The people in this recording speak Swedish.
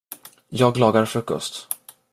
Jag lagar frukost.